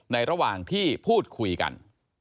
ระหว่างที่พูดคุยกัน